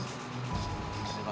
gue jual sama kamu